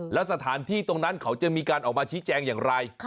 แล้วสถานที่ตรงนั้นเขาจะมีการออกมาชี้แจงอย่างไร